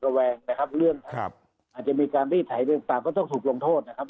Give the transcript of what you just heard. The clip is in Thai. แวงนะครับเรื่องอาจจะมีการรีดไถเรื่องต่างก็ต้องถูกลงโทษนะครับ